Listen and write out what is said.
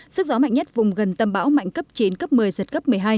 sức gió mạnh nhất vùng gần tâm bão mạnh cấp chín cấp một mươi giật cấp một mươi hai